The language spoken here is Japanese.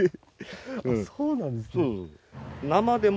そうなんですね。